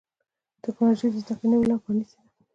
ټکنالوجي د زدهکړې نوي لارې پرانستې دي.